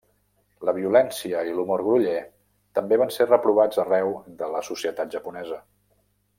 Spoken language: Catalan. La violència i l'humor groller també van ser reprovats arreu de la societat japonesa.